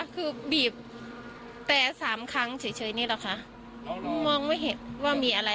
คือบีบแต่สามครั้งเฉยนี่แหละค่ะมองไม่เห็นว่ามีอะไร